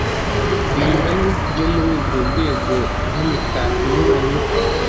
binyuranye byo muri urwo rwego nk’imitako inyuranye